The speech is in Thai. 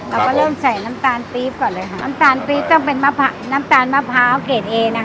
เราก็เริ่มใส่น้ำตาลปี๊บก่อนเลยค่ะน้ำตาลปี๊บต้องเป็นมะพร้าวน้ำตาลมะพร้าวเกรดเอนะคะ